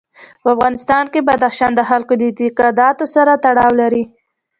په افغانستان کې بدخشان د خلکو د اعتقاداتو سره تړاو لري.